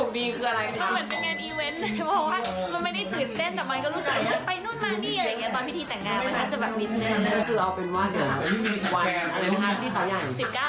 พี่โรดเมย์ที่มาผิดเนี่ยจะจัดรการรึเปล่า